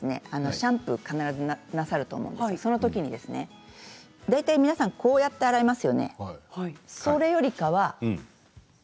シャンプーを必ずなさると思います、そのときに大体皆さんこうやって洗いますよね。